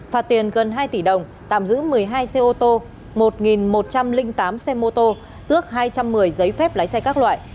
phạt tiền gần hai tỷ đồng tạm giữ một mươi hai xe ô tô một một trăm linh tám xe mô tô tước hai trăm một mươi giấy phép lái xe các loại